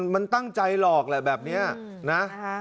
มันตั้งใจหลอกแหละแบบนี้นะ